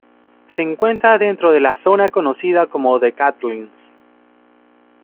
Se encuentra dentro de la zona conocida como The Catlins.